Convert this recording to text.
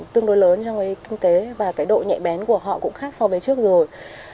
tương đối lớn trong cái kinh tế và cái độ nhẹ bén của họ cũng khác so với trước rồi